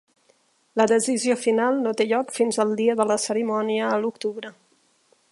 La decisió final no té lloc fins al dia de la cerimònia a l'octubre.